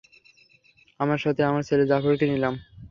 আমার সাথে আমার ছেলে জাফরকে নিলাম।